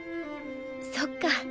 そっか。